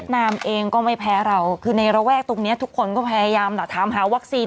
นามเองก็ไม่แพ้เราคือในระแวกตรงนี้ทุกคนก็พยายามถามหาวัคซีน